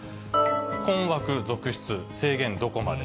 困惑続出、制限どこまで。